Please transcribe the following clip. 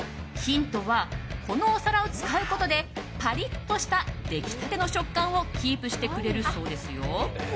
ヒントはこのお皿を使うことでパリッとした出来たての食感をキープしてくれるそうですよ。